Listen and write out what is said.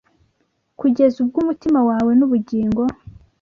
kugeza ubwo umutima wawe n’ubugingo